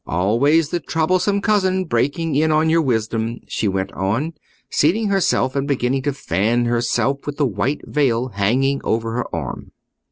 "Always the troublesome cousin breaking in on your wisdom," she went on, seating herself and beginning to fan herself with the white veil hanging over her arm.